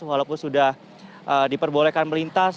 walaupun sudah diperbolehkan melintas